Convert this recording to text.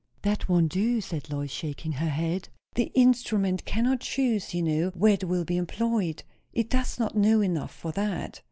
"That won't do," said Lois, shaking her head. "The instrument cannot choose, you know, where it will be employed. It does not know enough for that."